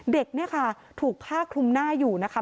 เด็กเนี่ยค่ะถูกผ้าคลุมหน้าอยู่นะคะ